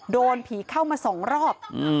โดนผีเข้ามา๒รอบ